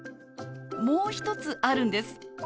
もう一つあるんです。